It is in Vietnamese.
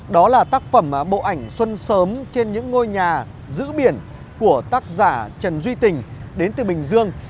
đó là tác phẩm bộ ảnh xuân sớm trên những ngôi nhà giữ biển của tác giả trần duy tình đến từ bình dương